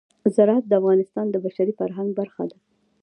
زراعت د افغانستان د بشري فرهنګ برخه ده.